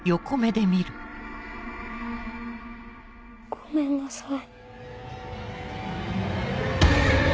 ごめんなさい。